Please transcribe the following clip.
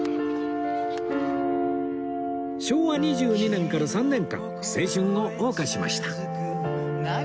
昭和２２年から３年間青春を謳歌しました